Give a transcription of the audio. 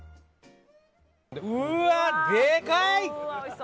うわ、でかい！